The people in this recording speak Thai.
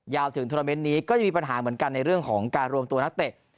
ถึงโทรเมนต์นี้ก็จะมีปัญหาเหมือนกันในเรื่องของการรวมตัวนักเตะ